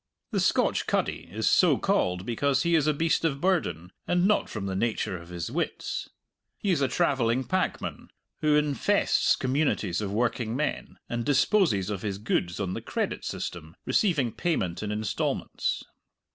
The "Scotch cuddy" is so called because he is a beast of burden, and not from the nature of his wits. He is a travelling packman, who infests communities of working men, and disposes of his goods on the credit system, receiving payment in instalments.